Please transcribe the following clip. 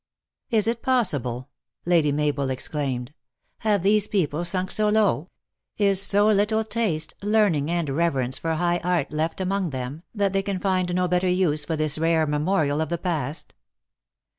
"Is it possible!" Lady Mabel exclaimed. "Have these people stink so low ? Is so little taste, learn ing, and reverence for high art left among them, that they can find no better use for this rare memorial of the past."